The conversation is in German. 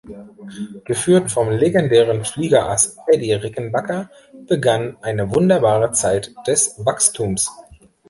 Geführt vom legendären Fliegerass Eddie Rickenbacker begann eine wunderbare Zeit des Wachstums.